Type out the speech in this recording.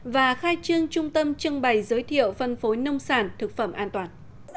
và khai trương trung tâm trưng bày giới thiệu phân phối nông sản thực phẩm an toàn